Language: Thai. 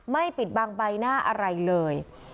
ปิดบังใบหน้าอะไรเลย